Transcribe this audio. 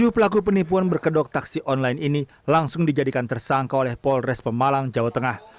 tujuh pelaku penipuan berkedok taksi online ini langsung dijadikan tersangka oleh polres pemalang jawa tengah